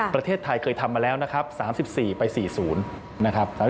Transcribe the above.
ประเทศไทยเคยทำมาแล้วนะครับ๓๔ไป๔๐นะครับ